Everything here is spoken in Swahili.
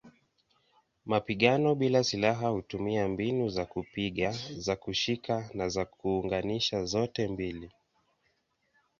Mapigano bila silaha hutumia mbinu za kupiga, za kushika na za kuunganisha zote mbili.